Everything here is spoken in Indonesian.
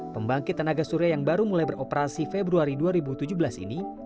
pembangkit tenaga surya yang baru mulai beroperasi februari dua ribu tujuh belas ini